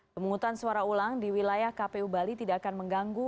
pemungutan suara ulang di wilayah kpu bali tidak akan mengganggu